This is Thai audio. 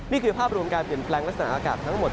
นี่คือภาพรวมการเปลี่ยนแปลงลักษณะอากาศทั้งหมด